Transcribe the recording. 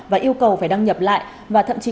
và yêu cầu phải đăng nhập lại và thậm chí